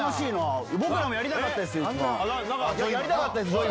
僕らもやりたかったです。